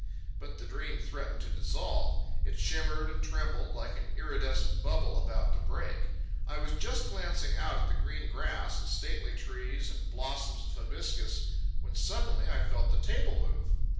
But the dream threatened to dissolve. It shimmered and trembled like an iridescent bubble about to break. I was just glancing out at the green grass and stately trees and blossoms of hibiscus, when suddenly I felt the table move.